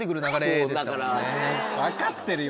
分かってるよ